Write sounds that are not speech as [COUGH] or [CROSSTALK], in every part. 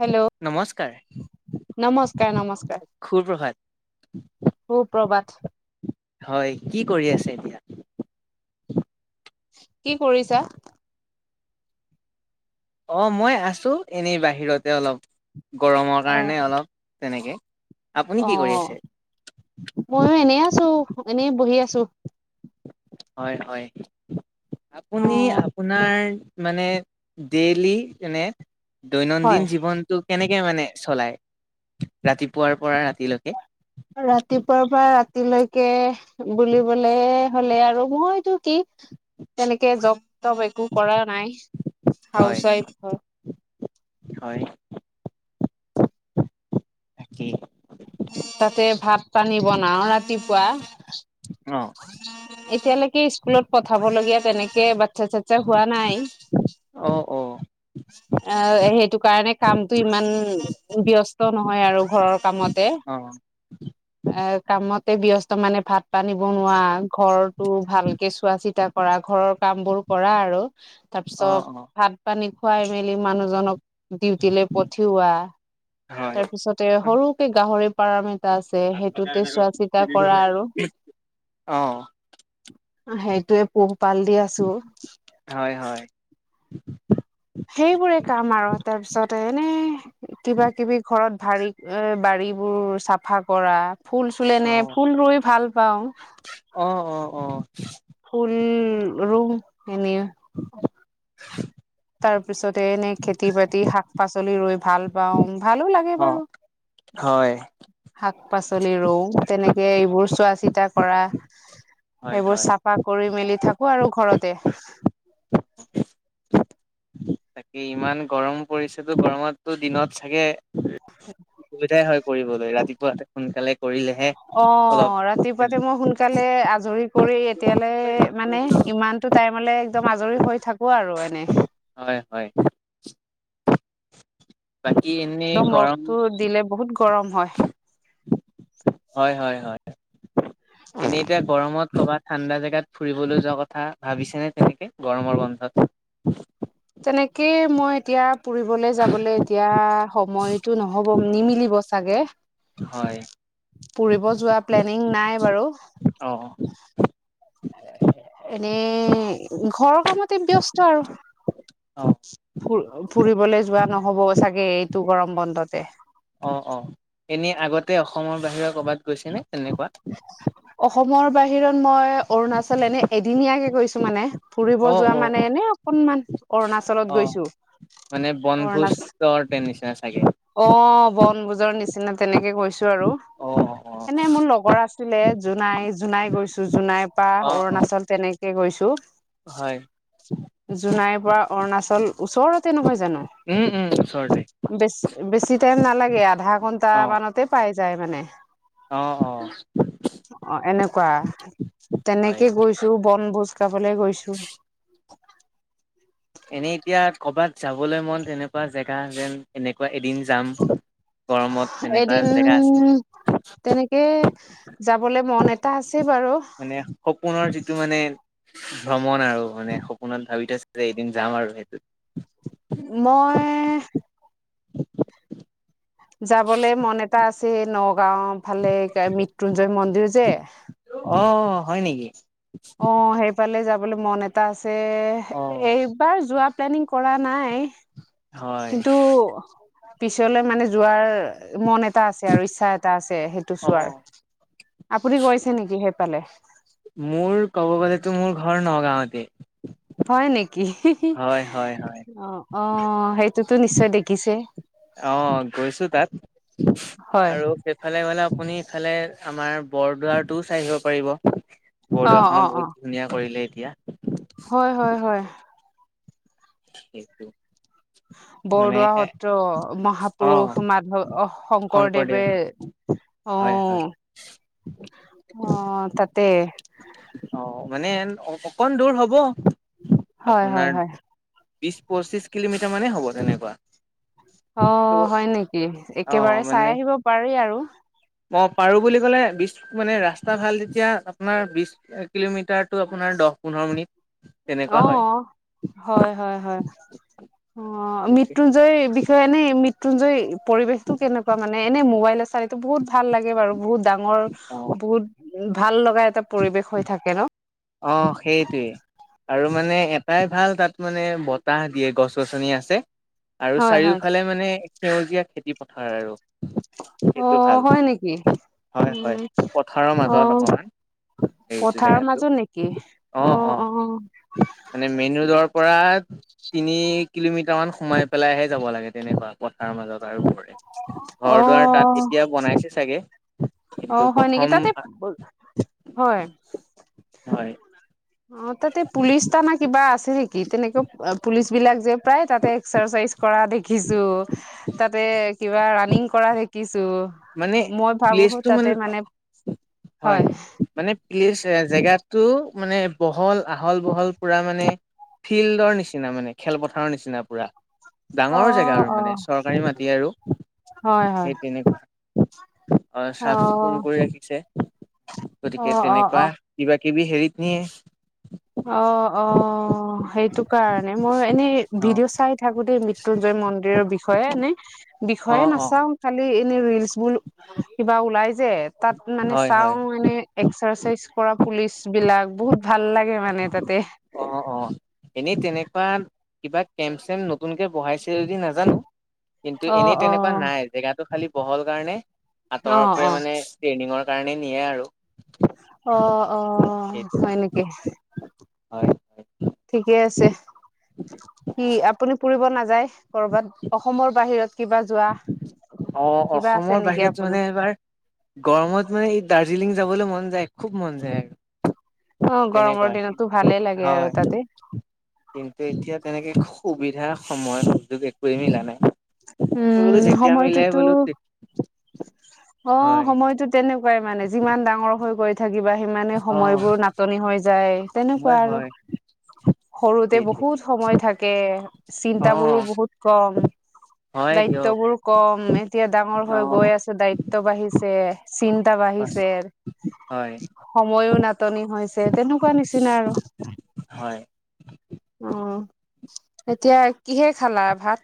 Hello! নমস্কাৰ নমস্কাৰ নমস্কাৰ। সুপ্ৰভাত সু প্ৰভাত। হয়', কি কৰি আছে এতিয়া? কি কৰিছা? অ', মই আছো এনেই বাহিৰতে অলপ গৰমৰ কাৰণে অলপ তেনেকে। আপুনি কি কৰি অ' আছে? মইও এনে আছো, এনেই বহি আছো। হয় হয়। অ আপুনি আপোনাৰ মানে ডেইলি মানে হয় দৈনন্দিন জীৱনটোক কেনেকে মানে চলায়, ৰাতিপুৱাৰ পৰা ৰাতিলৈকে? ৰাতিপুৱা পৰা ৰাতিলৈকে বুলিবলে হ'লে আৰু মইতো কি তেনেকে জব তব একো কৰা নাই, হয় হাউচ ৱাইফ হয়। হয়। তাকেই তাতে ভাত পানী বনাও ৰাতিপুৱা। অ [INAUDIBLE] এতিয়ালৈকে স্কুলত পঠাব লগীয়া তেনেকে বাচ্ছা চাচ্ছা হোৱা নাই। অ অ [INAUDIBLE] অ', সেইটো কাৰণে কামতটো ইমান ব্যস্ত নহয় আৰু ঘৰৰ কামতে, অ এ কামতে ব্যস্ত মানে ভাত পানী বনোৱা ঘৰটো ভালকে চোৱা চিতা কৰা ঘৰৰ কাম বোৰ কৰা আৰু অ তাৰপিছত অ ভাত পানী খুৱাই মেলি মানুহজনক ডিউটিলৈ পঠিওৱা হয় তাৰপিছতে, সৰুকে গাহৰি ফাৰ্ম এটা আছে সেইটোতে চোৱা চিতা কৰা আৰু। অঁহ। সেইটোয়ে পোহপাল দি আছো। হয় হয়। সেইবোৰে কাম আৰু তাৰপিছতে এনে কিবা কিবি ঘৰত ভাৰী এ, বাৰীবোৰ চাফা কৰা। ফুল চুল অ এনে ফুল ৰুই ভাল পাওঁ। অ' অ' অ'। ফুল ৰুও এনে [INAUDIBLE] তাৰপিছতে, এনে খেতি বাতি শাক পাচলি ৰুই ভাল পাওঁ ভালো লাগে অ বাৰু। হয়। শাক পাচলি ৰুও তেনেকে এইবোৰ চোৱা চিতা কৰা হয় সেইবোৰ হয় চাফা কৰি মেলি থাকো আৰু ঘৰতে। [INAUDIBLE] তাকে ইমান গৰম পৰিছেটো গৰমটো দিনত চাগে অসুবিধাই হয় কৰিবলৈ ৰাতিপুৱা সোনকালে কৰিলেহে অলপ অ' ৰাতিপুৱাতে মই সোনকালে আজৰি কৰি এতিয়ালে মানে ইমানটো টাইমলে একদম আজৰি হৈ থাকো আৰু এনে। হয় হয়। বাকী এনে একদম ৰ'দটো দিলে বহুত গৰম হয়। হয়' হয়' হয়। এনেই এতিয়া গৰমত ক'ৰবাত ঠাণ্ডা জেগাত ফুৰিবলৈ যোৱা কথা ভাবিছেনে তেনেকে গৰমৰ বন্ধত? তেনেকেই মই এতিয়া ফুৰিবলৈ যাবলৈ এতিয়া সময়টো নহ'ব নিমিলিব চাগে। হয় ফুৰিব যোৱা প্লেনিং নাই বাৰু। অ'। এনেই ঘৰৰ কামতে ব্যস্ত আৰু। অ ফু ফুৰিবলৈ যোৱা নহ'ব চাগে এইটো গৰম বন্ধতে। অ অ এনে আগতে অসমৰ বাহিৰে কৰ'বাত গৈছানে তেনেকুৱা? অসমৰ বাহিৰত মই অৰুণাচল এনে এদিনীয়াকে গৈছো মানে। ফুৰিব অ যোৱা অ অ। মানে এনে অকণমান। অ মানে অৰুণাচল বনভোজৰ নিচিনা চাগে। অ বন ভোজৰ নিচিনা তেনেকে গৈছো আৰু অ অ এনে অ মোৰ লগ লগৰ আছিলে জোনাই জোনাই গৈছো জোনাইৰ পৰা অ অ অৰুণাচল তেনেকে গৈছোঁ। হয় জোনাইৰ পৰা অৰুণাচল ওচৰতে নহয় জানো? উম উম। ওচৰতে বেছি বেছি টাইম নালাগে আধা ঘন্টা মানতে পাই যায় মানে। অঁ অঁ। অ এনেকুৱা অ', তেনেকে গৈছোঁ বনভোজ খাবলৈ গৈছোঁ। এনেই এতিয়া কৰ'বাত যাবলৈ মন তেনেকুৱা জেগা যেন এনেকুৱা এদিন যাম? গৰমত তেনেকুৱা জেগা আছে? তাকেই যাবলে মন এটা আছে বাৰু। মানে সপোনৰ যিটো মানে ভ্ৰমণ আৰু মানে সপোনত ভাবি থৈছে যে এদিন যাম আৰু সেইটোত। মই [UNINTELLIGIBLE] যাবলে মন এটা আছে নগাঁও ফালে এ মৃত্যুঞ্জয় মন্দিৰ যে। অ হয় নেকি? অ সেইফালে যাবলৈ মন এটা আছে অ', এইবাৰ যোৱা প্লেনিং কৰা নাই হয় কিন্তু পিছলৈ মানে যোৱাৰ মন এটা আছে আৰু ইচ্ছা এটা আছে সেইটো। সেইটো চোৱাৰ। অ', আপুনি গৈছে নেকি সেইফালে? মোৰ কব গ'লেতো মোৰ ঘৰ নগাঁৱতে। হয় নেকি হয়, হয় অ অ সেইটোতো নিশ্চয় দেখিছে। অ গৈছোঁ তাত হয় আৰু সেইফালে গ'লে আপুনি ইফালে আমাৰ বৰদোৱাৰটোও চাই আহিব পাৰিব। অ বৰদোৱাখনো অ অ বহুত ধুনীয়া কৰিলে এতিয়া। হয় হয় হয়। সেইটো। মানে বৰদোৱা এ সত্ৰ অ', মহাপুৰুষ মাধৱ শংকৰদেৱ শংকৰদেৱে অ হয় হয়। অ তাতে। অ মানে অকণমান দূৰ হ'ব। হয় হয় আপোনাৰ হয়। বিশ পঁচিশ কিলোমিটাৰ মানে হ'ব তেনেকুৱা। অ কিন্তু হয় নেকি অ একেবাৰে চাই মানে আহিব পাৰি আৰু। অ পাৰো বুলি ক'লে বিশ মানে ৰাস্তা ভাল আপোনাৰ বিশ কিলোমিটাৰ টো আপোনাৰ দহ-পোন্ধৰ মিনিট। তেনেকুৱা হয় অঁ', হয়-হয়-হয়। অঁ', মৃত্যু সেই বিষয়ে এনেই মৃত্যুঞ্জয় পৰিৱেশ টো কেনেকুৱা মানে, এনেই মোবাইল আছে এইটো বহুত ভাল লাগে বাৰু বহুত ডাঙৰ, অ বহুত- উম' ভাল লগা এটা পৰিৱেশ হৈ থাকে ন। অঁহ', সেইটোৱে। আৰু মানে এটাই ভাল তা'ত মানে বতাহ দিয়ে গছ-গছনি আছে। আৰু হয় হয় চাৰিওফালে মানে সেউজীয়া খেতি পথাৰ আৰু। অ সেইটো ভাল হয় নেকি হয়-হয়, উম পথাৰৰ মাজত অ অকণমান- সেউজীয়া পথাৰৰ মাজত নেকি? অঁ', অ', -অঁ', অ', মানে মেইন ৰোডৰ পৰা- তিনি কিলোমিটাৰ মান সোমাই পেলাই'হে যাব লাগে তেনেকুৱা। পথাৰ মাজত আৰু পৰে। ঘৰ-দুৱাৰ তা'ত অ', এতিয়া বনাইছে চাগে। কিন্তু অ', -হয় নেকি, প্ৰথম তা'তে হয়। হয়। অ', তা'তে পুলিচ থানা কিবা আছে নেকি? তেনেকে পুলিচ বিলাক যে প্ৰায় তা'তে এক্সাৰচাইজ- কৰা দেখিছো, তা'তে কিবা ৰাণিং কৰা দেখিছো। মানে মই ভাবো তা'তে মানে হয়। মানে প্লেচ জেগাতটো মানে বহল, আহল-বহল পুৰা মানে- ফিল্ডৰ নিচিনা মানে খেলপথাৰৰ নিচিনা পুৰা। ডাঙৰ জেগা অ', আৰু অ', মানে চৰকাৰী মাটি আৰু হয়, হয়, সেই তেনেকুৱা। অ', চাফ-চিকুণ কৰি ৰাখিছে। গতিকে অ', অ', অ'। তেনেকুৱা কিবা-কিবি হেৰিত নিয়ে। অ', -অ', -সেইটো কাৰণে। মই এনেই অ ভিডিঅ' চাই- থাকোতে মৃত্যুঞ্জয় মন্দিৰৰ বিষয়ে এনেই, অ বিষয়ে অ নাচাওঁ- খালী এনেই ৰিলচবোৰ কিবা ওলাই যে তা'ত মানে হয় হয় চাওঁ এনেই- এক্সাৰচাইজ কৰা পুলিচবিলাক বহুত ভাল লাগে মানে তা'তে। অ', -অ',। এনেই তেনেকুৱা কিবা কেম্প-চেম নতুনকে বঢ়াইছে যদি নাজানো। কিন্তু অ', এনেই তেনেকুৱা অ', নাই, জেগাতটো খালি বহল কাৰণে আঁতৰৰ অ', পৰা অ', মানে- ট্ৰেনিংৰ কাৰণে দিয়ে আৰু। অ', -অ', সেইটো -হয় নেকি। হয়। ঠিকে আছে। কি আপুনি ফুৰিব নাযায় কৰ'বাত অসমৰ বাহিৰত? কিবা যোৱা অঁ', কিবা আছে -অসমৰ নেকি বাহিৰত যোৱা আপোনাৰ নাই এইবাৰ। গৰমত মানে এই দাৰ্জিলিং যাবলৈ মন যায়, খুব মন যায় আৰু। অঁ', গৰমৰ তেনেকুৱা দিনতো ভালে লাগে হয় আৰু তা'তে। কিন্তু এতিয়া তেনেকে সুবিধা সময়ত উদ্যোগ একোৱে মিলা নাই। উম বোলো যেতিয়া মিলে সময়টোতো বোলো- অ', হয় সময়তো তেনেকুৱাই মানে যিমান ডাঙৰ হৈ গৈ- থাকিবা সিমানে অ', সময়বোৰ নাটনি হৈ যায় হয় তেনেকুৱা আৰু। হয় সৰুতে সেইটোৱে বহুত সময় থাকে, চিন্তাবোৰো অ', বহুত কম। হয় দিয়ক দায়িত্ববোৰ কম, এতিয়া ডাঙৰ হৈ অ', গৈ আছে দায়িত্ব বাঢ়িছে- চিন্তা পাছ বাঢ়িছে। হয় সময়ো নাটনি হৈছে তেনেকোৱা নিচিনা আৰু নোৱাৰে। উম এতিয়া কিহে খালা ভাত?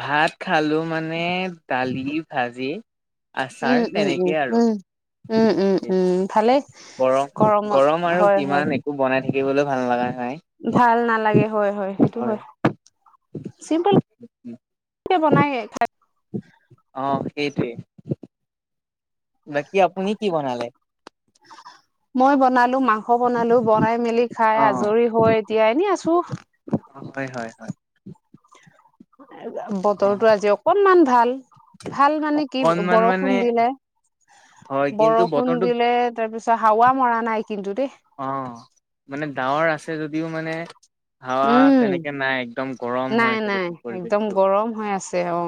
ভাত খালো মানে দালি ভাজি আচাৰ উম উম উম তেনেকেই আৰু উম উম উম উম ভালেই গৰম গৰমত গৰম আৰু হয় হয় কিমান এ একো বনাই থাকিবলৈও ভাল লগা নাই। ভাল নালাগে। হয় হয় সেইটো হয় চিম্পলকে বনাই সে খায়। অ, সেইটোৱে। বাকী আপুনি কি বনালে? মই বনালো মাংস বনালো বনাই মেলি খাই আজৰি হৈ এতিয়া এনে আছো। আপোনাৰ মতে হয় হয় এ অ বতৰতো আজি অকনমান ভাল। ভাল মানে কি অকনমান মানে বৰষুণ দিলে, হয় কিন্তু বৰষুণ বতৰটো দিলে তাৰপিছত হাৱা মৰা নাই কিন্তু দেই। অ মানে ডাৱৰ আছে যদিও মানে হাৱা উম তেনেকে নাই একদম গৰম হৈ আছে নাই-নাই গোটেই একদম পৰিৱেশটো গৰম হৈ আছে অ।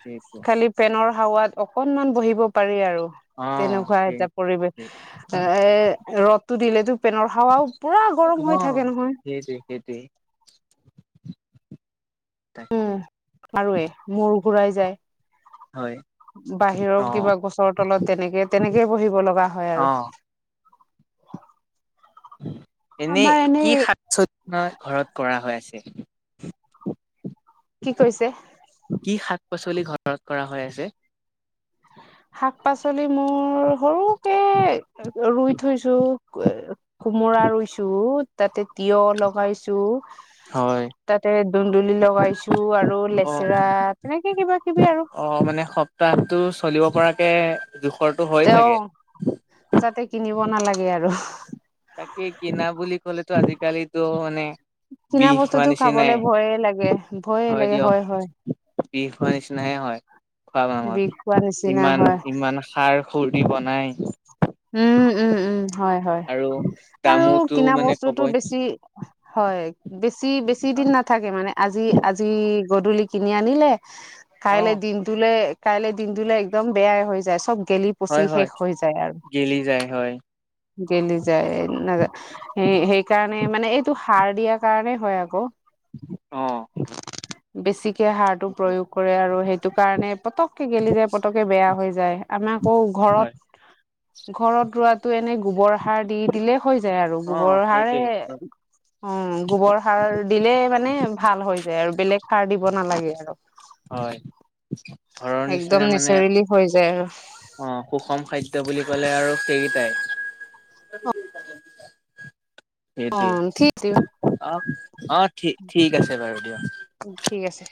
সেইটো খালি ফেনৰ হাৱাত অকনমান বহিব পাৰি আৰু অ তেনেকোৱা সেই হৈছে পৰিৱেশ, এ-এ ৰ'দটো দিলেতো ফেনৰ হাৱাও পুৰা গৰম হৈ থাকে নহয়। সেইটোৱে-সেইটোৱে। তাকে। উম আৰুৱে মূৰ ঘূৰাই যায়। হয়। বাহিৰৰ অ', কিবা গছৰ তলত তেনেকে তেনেকেই বহিব লগা হয় অ', আৰু। এনে আমাৰ কি এনেই শাক পাচলি ঘৰত কৰা হৈ আছে? কি কৈছে? কি শাক-পাচলি ঘৰত কৰা হৈ আছে? শাক-পাচলি মোৰ সৰুকে ৰুই থৈছো এ কোমোৰা ৰুইছো তাতে তিয়হ লগাইছো হয়, তাতে দুন্দুলি লগাইছো, আৰু অ', লেচেৰা তেনেকে কিবা কিবি আৰু। অ মানে স প্তাহটো চলিব পৰাকে দুখৰটো হ তেওঁ যাতে কিনিব নালাগে আৰু। তাকেই কিনা বুলি ক'লেতো আজি কালিতো মানে কিনা বিহ খোৱা বস্তুটো খাবলে নিচিনাই ভয়ে লাগে, ভয়ে লাগে হয়-হয়। বিষ খোৱাৰ নিচিনাহে হয় খোৱাৰ বিষ খোৱা নামত নিচিনা হয় ইমান-ইমান সাৰ সুৰ দি বনাই। উম উম উম হয়-হয় আৰু আৰু দামোতো কিনা মানে বস্তুটো ক'বই বেছি হয় বেছি-বেছি হয়, দিন নাথাকে মানে আজি- আজি গধূলি কিনি আনিলে কাইলৈ অ', দিনটোলে কাইলৈ দিনটোলে একদম বেয়াই হৈ যায়, চব গেলি পচি হয়, হয়, শেষ হৈ যায় আৰু। গেলি যায়, হয়। গেলি যায়, নযায় এ সেইকাৰণে মানে এইটো সাৰ দিয়াৰ কাৰণে হয় আকৌ। অ'। বেছিকে সাৰটো প্ৰয়োগ কৰে আৰু সেইটো কাৰণে পতককে গেলি যায় পতককে বেয়া হৈ যায়, আমাৰ আকৌ হয়, ঘৰত ঘৰত ৰোৱাটো এনেই গোবৰ সাৰ দি দিলে হৈ যায়। আৰু অ', গোবৰ সাৰে সেইটোৱে অ', গোবৰ সাৰ দিলে মানে ভাল হৈ যায় আৰু বেলেগ সাৰ দিব নালাগে আৰু। হয়। ঘৰৰ একদম নিচিনা মানে নেচাৰেলি হৈ যায় আৰু। অ', সুষম খাদ্য বুলি ক'লে আৰু সেইকেইটাই। অ ঠিক সেইটোৱে, অ' অ' ঠি ঠিক আছে বাৰু দিয়া। ঠিক আছে।